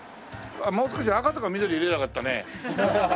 もう少し赤とか緑入れりゃよかったね。